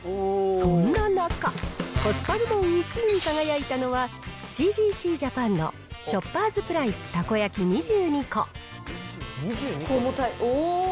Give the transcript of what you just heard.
そんな中、コスパ部門１位に輝いたのは、ＣＧＣジャパンのショッパーズプライスたこ焼き２２個。